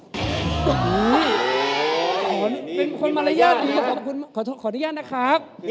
เป็นคนมารยาทดีขออนุญาตนะครับ